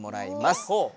ほう！